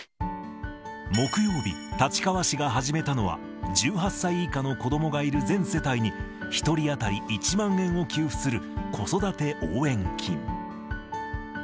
木曜日、立川市が始めたのは、１８歳以下の子どもがいる全世帯に、１人当たり１万円を給付する、子育て応援金。